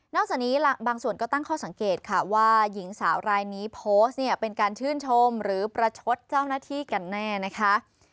จากนี้บางส่วนก็ตั้งข้อสังเกตค่ะว่าหญิงสาวรายนี้โพสต์เนี่ยเป็นการชื่นชมหรือประชดเจ้าหน้าที่กันแน่นะคะ